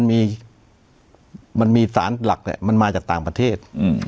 มันมีสารหลักมันมาจากต่างประเทศ